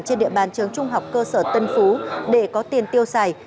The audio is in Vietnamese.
trên địa bàn trường trung học cơ sở tân phú để có tiền tiêu xài